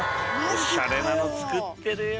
おしゃれなの作ってるよ。